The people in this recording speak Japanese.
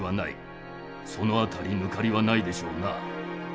その辺り抜かりはないでしょうな。